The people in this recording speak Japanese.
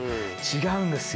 違うんです。